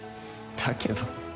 だけど